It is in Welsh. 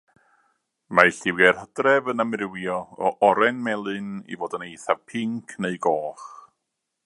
Mae lliwiau'r hydref yn amrywio, o oren-melyn i fod yn eithaf pinc neu goch.